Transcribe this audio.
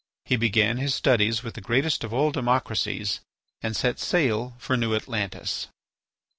He began his studies with the greatest of all democracies and set sail for New Atlantis.